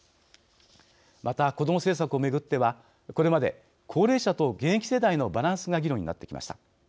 また、子ども政策を巡ってはこれまで高齢者と現役世代のバランスが議論になってきました。